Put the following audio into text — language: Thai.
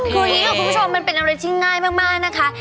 คุณผู้ชมมันเป็นอะไรที่ง่ายมากนะคะ